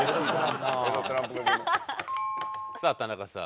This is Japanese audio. さあ田中さん。